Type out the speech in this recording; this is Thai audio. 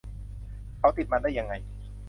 เขาติดมันได้ยังไง